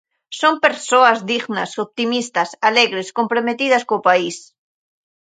Son persoas dignas, optimistas, alegres, comprometidas co país.